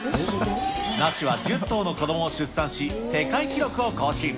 ナシは１０頭の子どもを出産し、世界記録を更新。